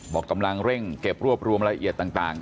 บอกกำลังเร่งเก็บรวบรวมรายละเอียดต่าง